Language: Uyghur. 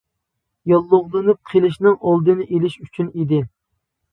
ياللۇغلىنىپ قېلىشنىڭ ئالدىنى ئېلىش ئۈچۈن ئىدى.